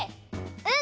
うん！